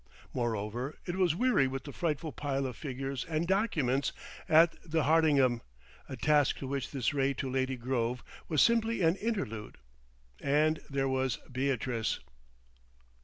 Moreover, it was weary with the frightful pile of figures and documents at the Hardingham, a task to which this raid to Lady Grove was simply an interlude. And there was Beatrice.